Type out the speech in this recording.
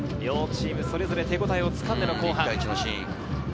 両チームそれぞれ手応えをつかんでの後半。